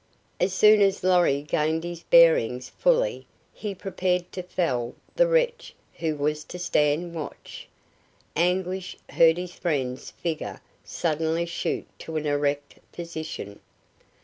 As soon as Lorry gained his bearings fully he prepared to fell the wretch who was to stand watch. Anguish heard his friend's figure suddenly shoot to an erect position.